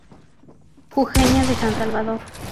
Jujeña de San Salvador.